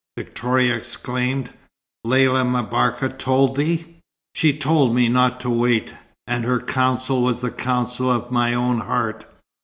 Victoria exclaimed. "Lella M'Barka told thee " "She told me not to wait. And her counsel was the counsel of my own heart.